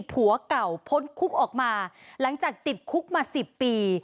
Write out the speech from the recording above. ผัวเก่าพ้นคุกออกมาหลังจากติดคุกมา๑๐ปี